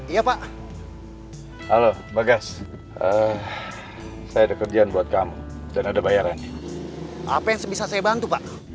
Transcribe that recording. iya pak halo bagas saya ada kerjaan buat kamu dan ada bayarannya apa yang bisa saya bantu pak